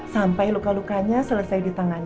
sampai luka lukanya selesai ditangani